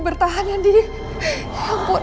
beltahan ya courtroom